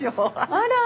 あら。